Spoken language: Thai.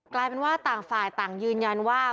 กลายเป็นว่าต่างฝ่ายต่างยืนยันว่า